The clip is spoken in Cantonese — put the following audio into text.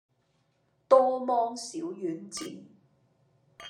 多芒小丸子